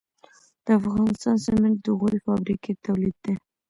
د افغانستان سمنټ د غوري فابریکې تولید دي